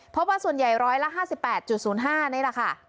เพราะว่าส่วนใหญ่ร้อยละ๕๘๐๕นี่แหละค่ะ